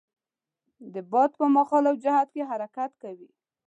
د باد په مخالف جهت کې حرکت کوي.